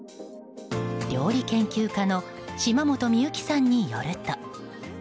料理研究家の島本美由紀さんによると。